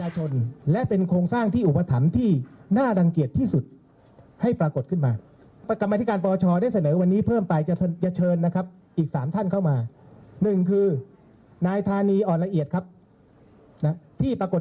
เชิญนะครับอีกสามท่านเข้ามาหนึ่งคือนายธานีอ่อนละเอียดครับนะที่ประกด